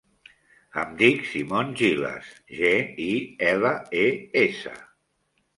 Em dic Simon Giles: ge, i, ela, e, essa.